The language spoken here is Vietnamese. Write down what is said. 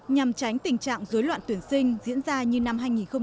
nhằm tránh tình trạng dối loạn tuyển sinh diễn ra như năm hai nghìn một mươi năm